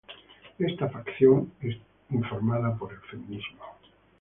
Esta facción es informada por el feminismo.